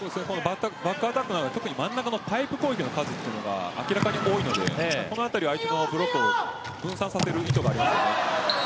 バックアタックは特に真ん中のパイプ攻撃の数が明らかに多いのでこのあたりは相手のブロックを分散させる意図があります。